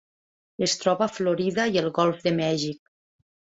Es troba a Florida i el Golf de Mèxic.